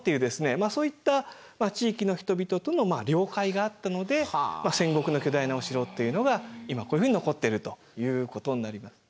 まあそういった地域の人々との了解があったので戦国の巨大なお城というのが今こういうふうに残ってるということになります。